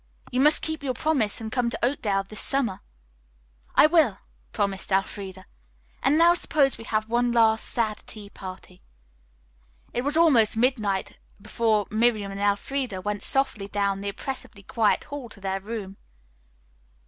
You must keep your promise and come to Oakdale this summer." "I will," promised Elfreda; "and now suppose we have one last sad tea party." It was almost midnight before Miriam and Elfreda went softly down the oppressively quiet hall to their room.